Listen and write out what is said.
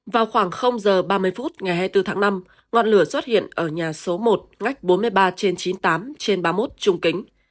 vào khoảng giờ ba mươi phút ngày hai mươi bốn tháng năm ngọn lửa xuất hiện ở nhà số một ngách bốn mươi ba trên chín mươi tám trên ba mươi một trung kính